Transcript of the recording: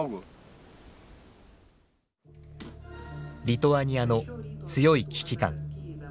リトアニアの強い危機感。